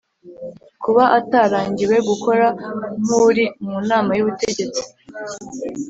kuba atarangiwe gukora nk’uri mu nama y’ubutegetsi